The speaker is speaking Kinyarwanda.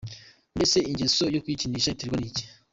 Mbese ingeso yo kwikinisha iterwa n’iki?.